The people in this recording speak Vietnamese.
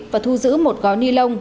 và thu giữ một gói ni lông